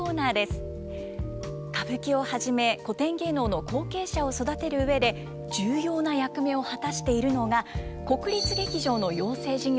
歌舞伎をはじめ古典芸能の後継者を育てる上で重要な役目を果たしているのが国立劇場の養成事業です。